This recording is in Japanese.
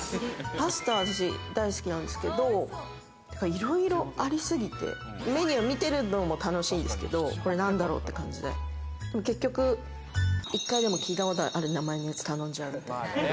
パスタ大好きなんですけれど、いろいろありすぎて、メニュー見てるのも楽しいですけどこれなんだろう？って感じで、結局１回でも聞いたことある名前のやつ頼んじゃう。